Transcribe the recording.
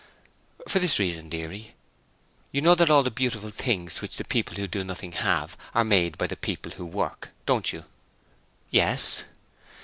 'For this reason, dearie. You know that all the beautiful things which the people who do nothing have are made by the people who work, don't you?' 'Yes.'